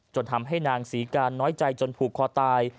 ทำให้นางศรีการน้อยใจจนผูกคอตาย